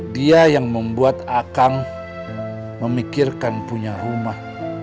dia yang membuat akang memikirkan punya rumah